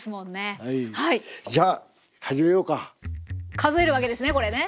数えるわけですねこれね。